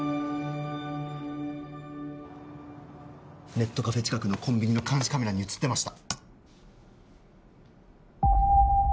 ネットカフェ近くのコンビニの監視カメラに写ってました。